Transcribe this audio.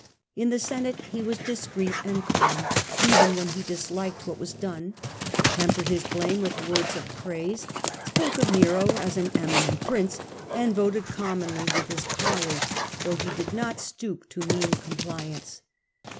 In the Senate he was discreet and calm, even when he disliked what was done ; tempered his blame with words of praise, spoke of Nero as an eminent prince, and voted commonly with his col leagues, though he did not stoop to mean compliance.